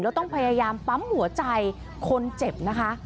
แล้วต้องพยายามปั๊มหัวใจคนเจ็บนะคะ